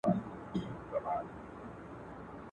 د دې قوم نصیب یې کښلی پر مجمر دی.